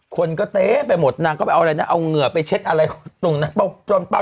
คนก็เต๊ะไปหมดนางก็ไปเอาอะไรนะเอาเหงื่อไปเช็ดอะไรตรงนั้น